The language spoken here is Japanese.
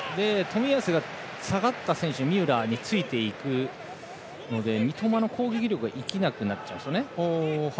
冨安が下がった選手ミュラーについていくので三笘の攻撃力が生きなくなっちゃうんですね。